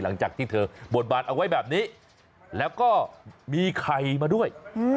หลังจากที่เธอบทบาทเอาไว้แบบนี้แล้วก็มีไข่มาด้วย